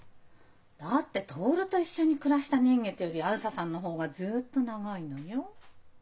だって徹と一緒に暮らした年月よりあづささんの方がずっと長いのよ。